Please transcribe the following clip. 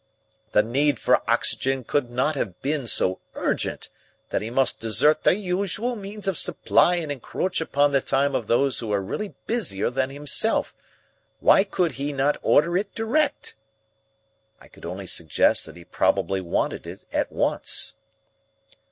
The need for oxygen could not have been so urgent that he must desert the usual means of supply and encroach upon the time of those who are really busier than himself. Why could he not order it direct?" I could only suggest that he probably wanted it at once.